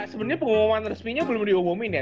sebenarnya pengumuman resminya belum diumumin ya